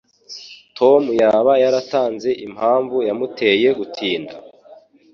Tom yaba yaratanze impamvu yamuteye gutinda?